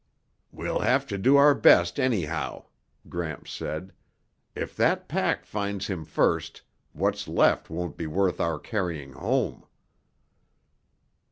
"We'll have to do our best anyhow," Gramps said. "If that pack finds him first, what's left won't be worth our carrying home."